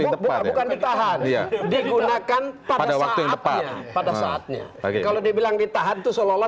bukan bukan ditahan digunakan pada saatnya pada saatnya kalau dibilang ditahan itu seolah olah